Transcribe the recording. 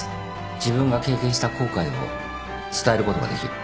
自分が経験した後悔を伝えることができる。